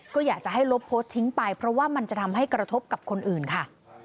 ก็อยากจะให้ลบโพสต์ทิ้งไปเพราะว่ามันจะทำให้กระทบกับคนอื่นค่ะ